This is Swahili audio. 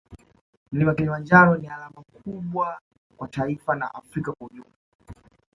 mlima Kilimanjaro ni alama kubwa kwa taifa na afrika kwa ujumla